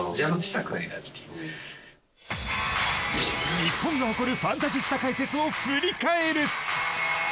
日本が誇るファンタジスタ解説を振り返る。